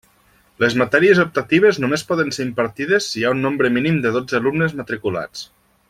Les matèries optatives només poden ser impartides si hi ha un nombre mínim de dotze alumnes matriculats.